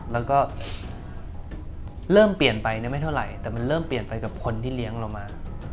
แล้วก็เริ่มเปลี่ยนไปไม่เท่าไหร่แต่มันเริ่มเปลี่ยนไปกับคนที่เลี้ยงเรามา